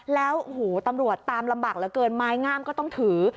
แล้วโอ้โหตำรวจตามลำบากเหลือเกินไม้งามก็ต้องถือ